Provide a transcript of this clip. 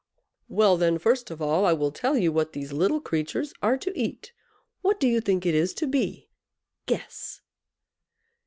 "Well, then, first of all, I will tell you what these little creatures are to eat. What do you think it is to be? Guess!"